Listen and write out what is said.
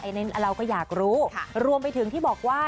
อันนี้เราก็อยากรู้รวมไปถึงที่บอกว่า